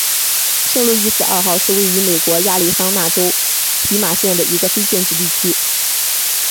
圣路易斯二号是位于美国亚利桑那州皮马县的一个非建制地区。